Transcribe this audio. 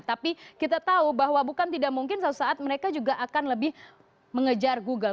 tapi kita tahu bahwa bukan tidak mungkin suatu saat mereka juga akan lebih mengejar google